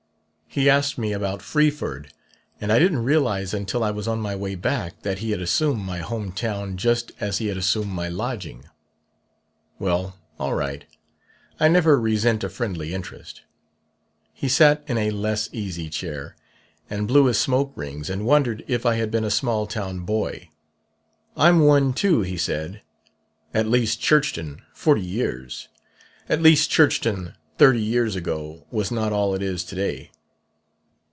"He asked me about Freeford, and I didn't realize until I was on my way back that he had assumed my home town just as he had assumed my lodging. Well, all right; I never resent a friendly interest. He sat in a less easy chair and blew his smoke rings and wondered if I had been a small town boy. 'I'm one, too,' he said; ' at least Churchton, forty years at least Churchton, thirty years ago, was not all it is to day.